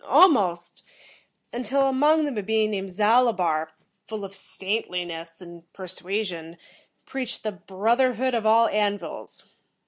"Almost, until among them a being named Zalibar, full of saintliness and persuasion, preached the brotherhood of all An vils.